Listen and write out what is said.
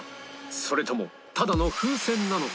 それともただの風船なのか？